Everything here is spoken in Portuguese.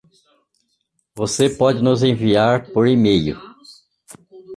Você pode nos enviar por email.